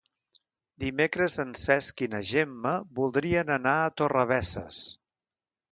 Dimecres en Cesc i na Gemma voldrien anar a Torrebesses.